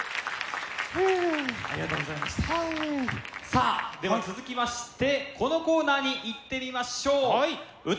さあでは続きましてこのコーナーにいってみましょう。